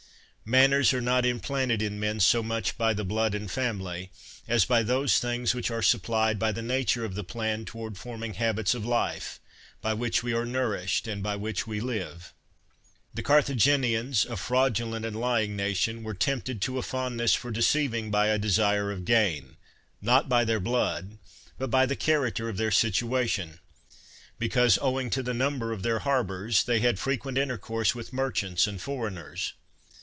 Manners are not implanted in men so much by the blood and family, as by those things which are supplied by the nature of the plan to ward forming habits of life, by which we are nourished, and by which we live. The Cartha ginians, a fraudulent and lying nation, were tempted to a fondness for deceiving by a desire of gain, not by their blood, but by the character of their situation, because, owing to the number of their harbors, they had frequent intercourse 89 THE WORLD'S FAMOUS ORATIONS with merchants and foreigners.